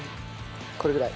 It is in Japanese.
これぐらい？